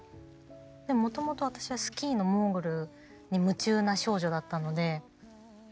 もともと私はスキーのモーグルに夢中な少女だったので。